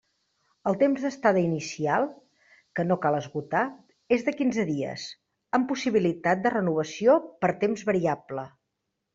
El temps d'estada inicial, que no cal esgotar, és de quinze dies, amb possibilitat de renovació per temps variable.